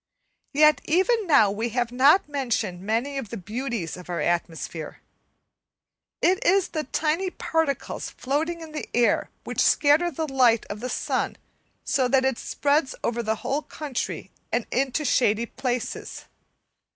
Yet even now we have not mentioned many of the beauties of our atmosphere. It is the tiny particles floating in the air which scatter the light of the sun so that it spreads over the whole country and into shady places.